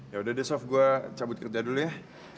yaudah deh sof gue cabut kerja dulu ya